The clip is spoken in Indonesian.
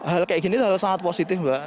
hal kayak gini sangat positif mbak